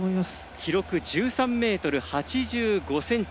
記録、１３ｍ８５ｃｍ。